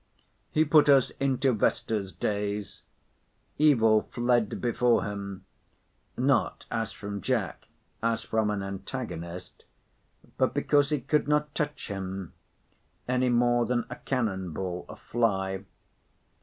He put us into Vesta's days. Evil fled before him—not as from Jack, as from an antagonist,—but because it could not touch him, any more than a cannon ball a fly.